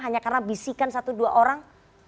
hanya karena bisikan satu dua orang